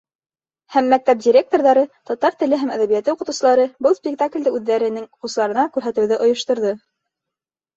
Һәм мәктәп директорҙары, татар теле һәм әҙәбиәте уҡытыусылары был спектаклде үҙҙәренең уҡыусыларына күрһәтеүҙе ойошторҙо.